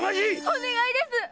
お願いです！